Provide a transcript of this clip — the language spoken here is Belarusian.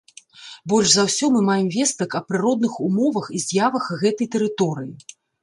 Больш за ўсё мы маем вестак аб прыродных умовах і з'явах гэтай тэрыторыі.